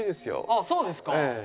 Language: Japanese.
あっそうですか？